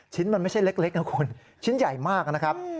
มันไม่ใช่เล็กนะคุณชิ้นใหญ่มากนะครับ